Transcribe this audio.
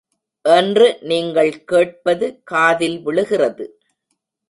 என்று நீங்கள் கேட்பது காதில் விழுகிறது.